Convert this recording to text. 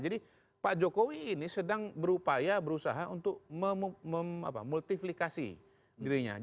jadi pak jokowi ini sedang berupaya berusaha untuk memultifikasi dirinya